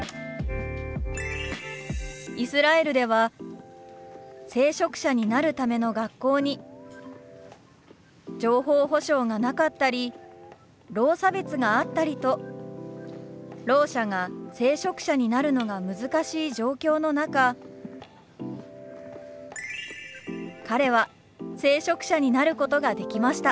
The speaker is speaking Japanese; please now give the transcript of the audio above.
イスラエルでは聖職者になるための学校に情報保障がなかったりろう差別があったりとろう者が聖職者になるのが難しい状況の中彼は聖職者になることができました。